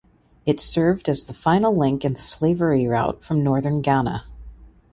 It served as the final link in the slavery route from Northern Ghana.